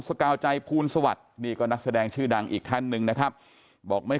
กาวใจภูลสวัสดิ์นี่ก็นักแสดงชื่อดังอีกท่านหนึ่งนะครับบอกไม่